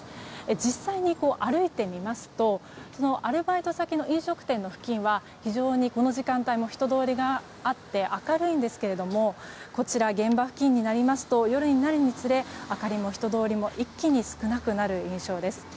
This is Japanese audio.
実際に歩いてみますとアルバイト先の飲食店付近は非常にこの時間帯も人通りがあって明るいんですがこちら、現場付近になりますと夜になるにつれ明かりも人通りも一気に少なくなる印象です。